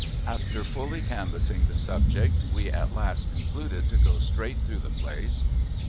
After fully canvassing the subject we at last concluded to go straight through the place.